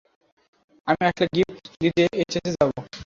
আমি আসলে গিফট দিতে স্টেজে যাবো।